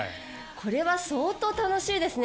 これは相当、楽しいですね。